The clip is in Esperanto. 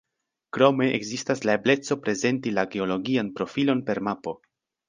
Krome ekzistas la ebleco prezenti la geologian profilon per mapo.